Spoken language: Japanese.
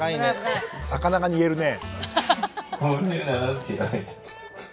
魚が煮えるね。